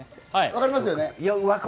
わかりますよね。